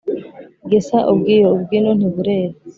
Gesa ubw’iyo, ubw'ino ntiburera.